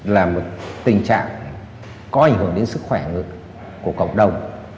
là một tình trạng có ảnh hưởng đến sức khỏe của cộng đồng